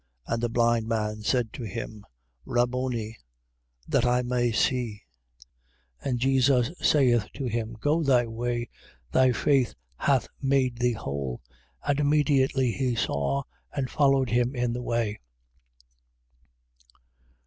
And the blind man said to him: Rabboni. That I may see. 10:52. And Jesus saith to him: Go thy way. Thy faith hath made thee whole. And immediately he saw and followed him in the way.